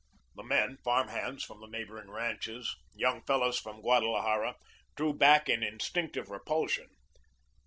The men, farm hands from the neighbouring ranches, young fellows from Guadalajara, drew back in instinctive repulsion.